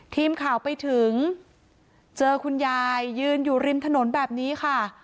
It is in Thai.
ทีมข่าวไปถึงเจอคุณยายยืนอยู่ริมถนนแบบนี้ค่ะ